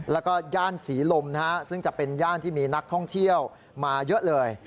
แล้วก็ย่านศรีลมนะฮะซึ่งจะเป็นย่านที่มีนักท่องเที่ยวมาเยอะเลย